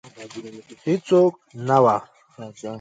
هیڅوک نه وه